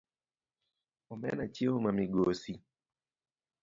Omena chiemo ma migosi.